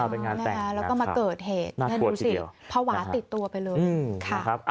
เป็นงานแต่งแล้วก็มาเกิดเหตุน่าดูสิพระหวาติดตัวไปเลย